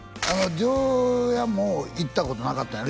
丈弥も行ったことなかったんやろ？